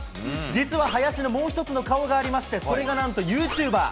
実は、林のもう１つの顔がありまして、それがなんとユーチューバー。